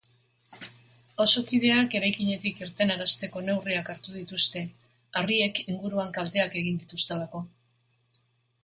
Auzokideak eraikinetik irtenarazteko neurriak hartu dituzte, harriek inguruan kalteak egin dituztelako.